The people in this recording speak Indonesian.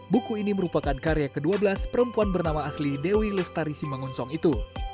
buku ini merupakan karya ke dua belas perempuan bernama asli dewi lestari simanonsong itu